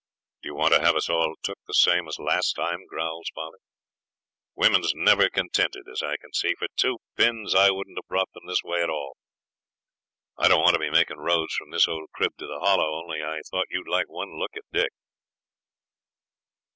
'D'ye want to have us all took the same as last time?' growls father. 'Women's never contented as I can see. For two pins I wouldn't have brought them this way at all. I don't want to be making roads from this old crib to the Hollow, only I thought you'd like one look at Dick.'